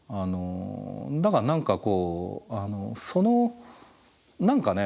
だから何かこうその何かね